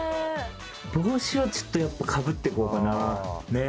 帽子はちょっとやっぱかぶって行こうかなぁねっ。